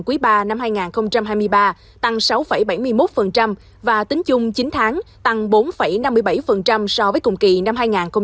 quý ba năm hai nghìn hai mươi ba tăng sáu bảy mươi một và tính chung chín tháng tăng bốn năm mươi bảy so với cùng kỳ năm hai nghìn hai mươi hai